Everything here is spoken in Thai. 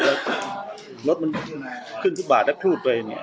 มีรถมี๓๐บาทก็พลูดไป